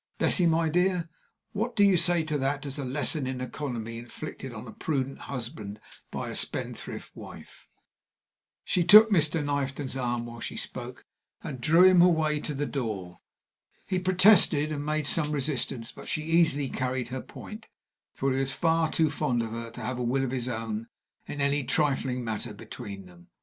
Bessie, my dear, what do you say to that as a lesson in economy inflicted on a prudent husband by a spendthrift wife?" She took Mr. Knifton's arm while she spoke, and drew him away to the door. He protested and made some resistance, but she easily carried her point, for he was far too fond of her to have a will of his own in any trifling matter between them.